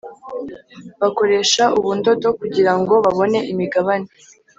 bakoresha ubu ndodo kugira ngo babone imigabane